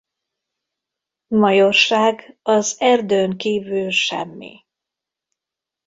Majorság az erdőn kivül semmi.